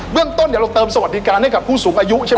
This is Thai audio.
เราก็ต้นนี้เติมสวรรค์ทดีการให้คู่สูงอายุ